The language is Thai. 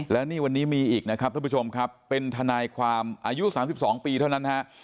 และนี่วันนี้มีอีกนะครับท่านผู้ชมครับเป็นทนายความอายุ๓๒ปีเท่านั้นฮะ